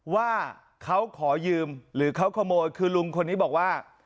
ว่าเขาขอยืมหรือเขาขโมยคือลุงคนนี้บอกว่า